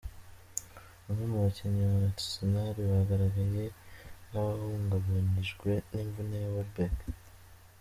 Bamwe mu bakinnyi wa Arsenal bagaragaye nk'abahungabanyijwe n'imvune ya Welbeck.